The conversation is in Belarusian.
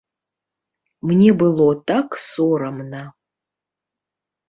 Мне было так сорамна.